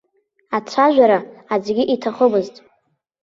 Ацәажәара аӡәгьы иҭахымызт.